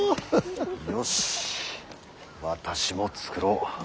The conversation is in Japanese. よし私も作ろう。